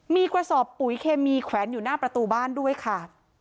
มีกระสอบปุ๋ยเคมีแขวนอยู่หน้าประตูบ้านด้วยค่ะ